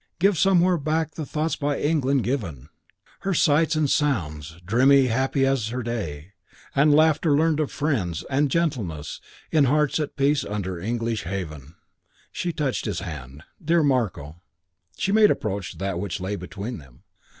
Gives somewhere back the thoughts by England given; Her sights and sounds; dreams happy as her day; And laughter, learnt of friends; and gentleness, In hearts at peace, under an English heaven." She touched his hand. "Dear Marko " She made approach to that which lay between them.